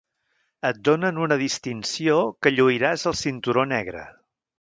Et donen una distinció que lluiràs al cinturó negre.